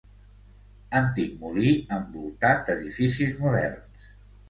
Antic molí envoltat d'edificis moderns.